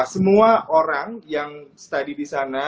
semua orang yang study disana